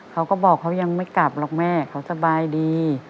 เขาก็บอกเขายังไม่กลับหรอกแม่เขาสบายดี